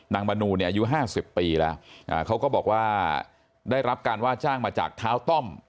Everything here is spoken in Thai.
มนูเนี่ยอายุ๕๐ปีแล้วเขาก็บอกว่าได้รับการว่าจ้างมาจากเท้าต้อม